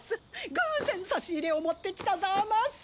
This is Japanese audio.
偶然差し入れを持ってきたザマス。